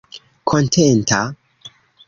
kontenta